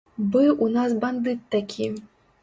Быў у нас бандыт такі.